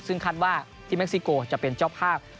ซึ่งคาดว่าที่เม็กซิโกจะเป็นเจ้าภาพ